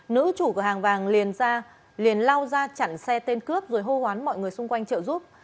nữ chủ cửa hàng vàng liền lao ra chẳng xe tên cướp rồi hô hoán mọi người xung quanh trợ giúp